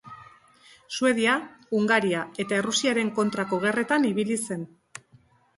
Suedia, Hungaria eta Errusiaren kontrako gerretan ibili zen.